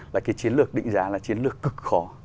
là cái chiến lược định giá là chiến lược cực khó